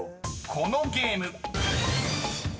［このゲーム］